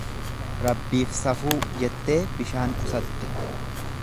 Rabbiif safuu jettee bishaan qusatte.